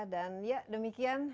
dan ya demikian